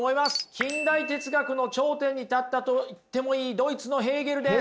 近代哲学の頂点に立ったと言ってもいいドイツのヘーゲルです。